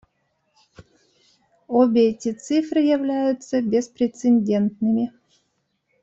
Обе эти цифры являются беспрецедентными.